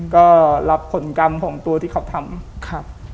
ก็รับผลกรรมของตัวที่เขาทำครับ